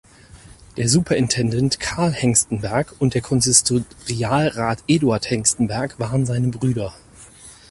Der Superintendent Karl Hengstenberg und der Konsistorialrat Eduard Hengstenberg waren seine Brüder.